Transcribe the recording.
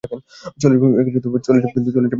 চলে যাব কিন্তু!